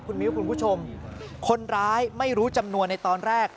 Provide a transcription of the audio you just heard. มิ้วคุณผู้ชมคนร้ายไม่รู้จำนวนในตอนแรก